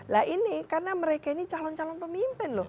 nah ini karena mereka ini calon calon pemimpin loh